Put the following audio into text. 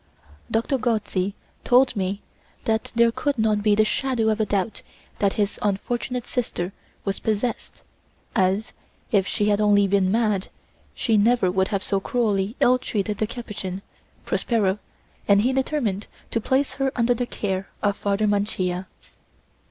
Doctor Gozzi told me that there could not be the shadow of a doubt that his unfortunate sister was possessed, as, if she had only been mad, she never would have so cruelly ill treated the Capuchin, Prospero, and he determined to place her under the care of Father Mancia.